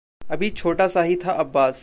अभी छोटा सा ही था अब्बास